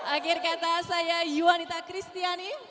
akhir kata saya yuanita kristiani